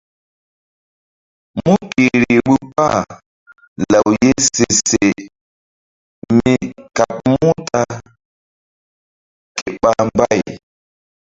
Mu kihri vbu kpah law ye se se mi kaɓ muta ke ɓa mbay.